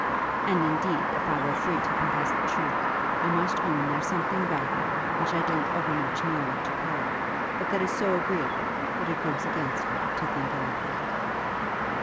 And, indeed, if I were free to confess the truth, I must own there's something about you, which I don't over much know what to call, but that is so agreeable, that it goes against me to think ill of you.'